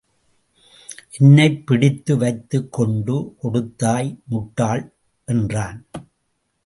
என்ன பிடித்து வைத்துக் கொண்டு கொடுத்தாய், முட்டாள் என்றான்.